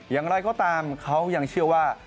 อย่างไรก็ตามเขายังเชื่อว่า